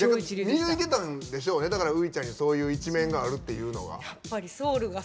見えてたんでしょうねだからウイちゃんにそういう一面があるっていうのが。